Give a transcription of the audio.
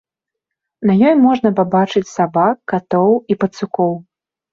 На ёй можна пабачыць сабак, катоў і пацукоў.